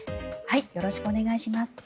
よろしくお願いします。